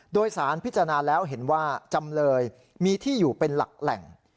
โดยสารพิจารณาแล้วเห็นว่าจำเลยมีที่อยู่เป็นหลักแหล่ง